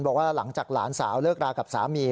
บอกว่าหลังจากหลานสาวเลิกรากับสามี